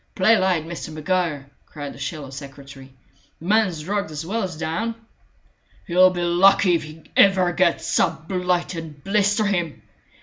"Play light, Mr. Maguire!" cried the sallow secretary. "The man's drugged, as well as down." "He'll be lucky if he ever gets up, blight and blister him!"